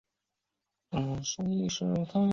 从简单的零组件型式最为复杂的结构体。